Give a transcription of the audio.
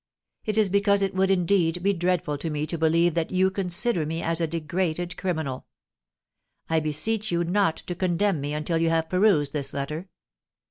It is because it would, indeed, be dreadful to me to believe that you consider me as a degraded criminal. I beseech you not to condemn me until you have perused this letter.